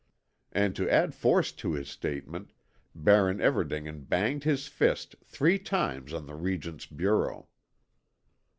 And to add force to his statement, Baron Everdingen banged his fist three times on the Regent's bureau.